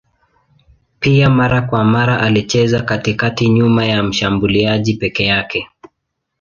Pia mara kwa mara alicheza katikati nyuma ya mshambuliaji peke yake.